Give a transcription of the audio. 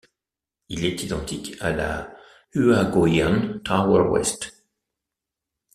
Il est identique à la Huaguoyuan Tower West.